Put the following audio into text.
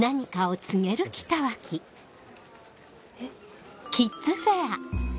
えっ？